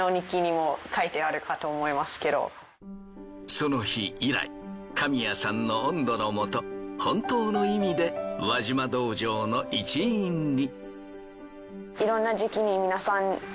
その日以来神谷さんの音頭のもと本当の意味で輪島道場の一員に。